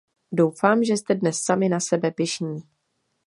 Doufám, že jste dnes sami na sebe pyšní.